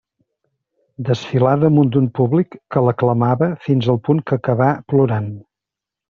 Desfilà damunt d'un públic que l'aclamava fins al punt que acabà plorant.